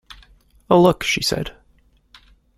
"Oh, look," she said.